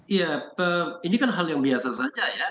iya ini kan hal yang biasa saja ya